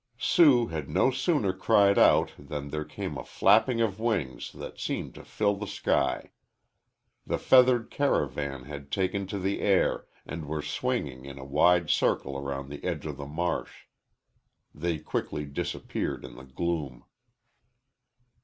Sue had no sooner cried out than there came a flapping of wings that seemed to fill the sky. The feathered caravan had taken to the air and were swinging in a wide circle around the edge of the marsh. They quickly disappeared in the gloom.